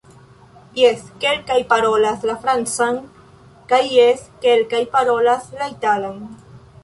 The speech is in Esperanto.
Jes, kelkaj parolas la francan, kaj jes, kelkaj parolas la italan.